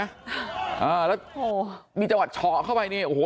อ้าวแล้วโอ้โหมีจช่อเข้ามาให้ได้โอ้โห